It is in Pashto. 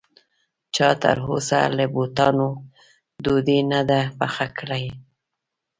چا تر اوسه له بوټانو ډوډۍ نه ده پخه کړې